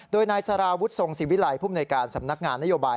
โดยนายสาราวุฒิทรงสิวิลัยผู้มนวยการสำนักงานนโยบาย